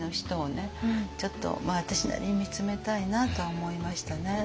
ちょっと私なりに見つめたいなと思いましたね。